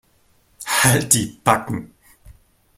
Halt die Backen.